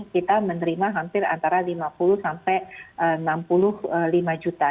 kita menerima hampir antara lima puluh sampai enam puluh lima juta